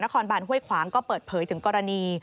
คอบานห้วยขวางก็เปิดเผยถึงกรณี